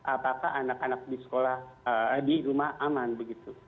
apakah anak anak di sekolah di rumah aman begitu